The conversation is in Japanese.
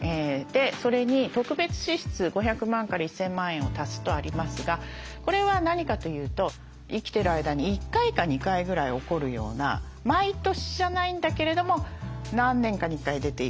それに特別支出５００万から１，０００万円を足すとありますがこれは何かというと生きてる間に１回か２回ぐらい起こるような毎年じゃないんだけれども何年かに１回出ていくようなお金。